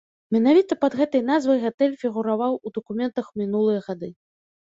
Менавіта пад гэтай назвай гатэль фігураваў у дакументах мінулыя гады.